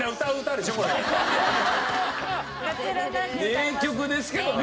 名曲ですけどね。